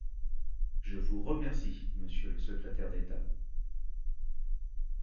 Je vous remercie, monsieur le secrétaire d’État.